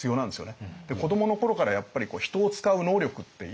子どもの頃からやっぱり人を使う能力って